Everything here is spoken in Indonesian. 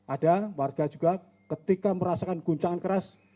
ada warga juga ketika merasakan guncangan keras